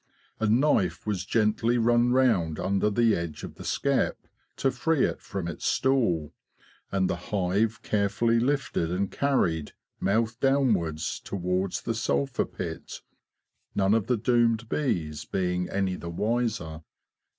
A knife was gently run round under the edge of the skep, to free it from its stool, and the hive carefully lifted and carried, mouth down wards, towards the sulphur pit, none of the doomed bees being any the wiser.